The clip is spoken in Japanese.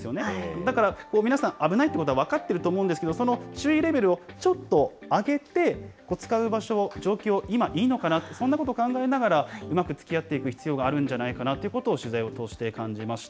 だから皆さん、危ないということは分かってると思うんですけれども、その注意レベルをちょっと上げて、使う場所を、状況を、今、いいのかなってそんなことを考えながらうまくつきあっていく必要があるんじゃないかなということを、取材を通して感じました。